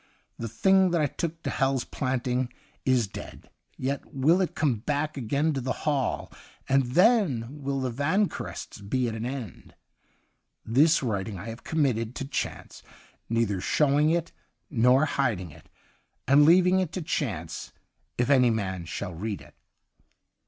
The thing that I took to Hal's Planting is dead. Yet will it come back again to the Hall, and then will the Vanquerests be at an end. This writing I have 153 THE UNDYING THING committed to chancCj neither show ing it nor hiding it, and leaving it to chance if any man shall read it.'